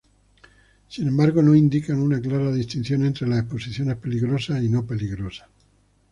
Sin embargo, no indican una clara distinción entre las exposiciones peligrosas y no peligrosas.